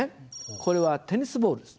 これはテニスボールです。